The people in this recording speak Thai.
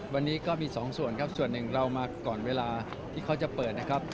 วันนี้ก็มีสองส่วนครับส่วนหนึ่งเรามาก่อนเวลาที่เขาจะเปิดนะครับ